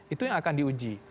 itu yang akan diuji